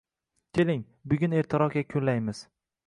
Keling, bugun ertaroq yakunlaymiz.